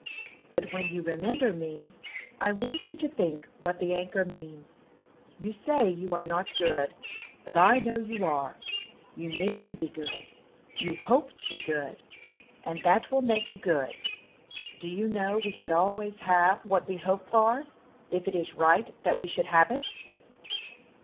"But when you remember me, I want you to think what the anchor means. You say you are not good, but I know you are. You mean to be good, you hope to be good; and that will make you good. Do you know we can always have what we hope for, if it is right that we should have it?